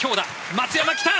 松山、来た！